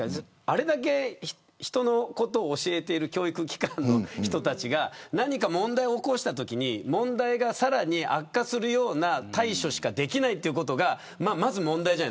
あれだけ人を教える教育機関の人たちが何か問題を起こしたときに問題がさらに悪化するような対処しかできないということがまず問題です。